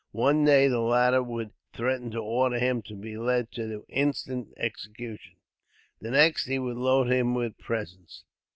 One day the latter would threaten to order him to be led to instant execution, the next he would load him with presents.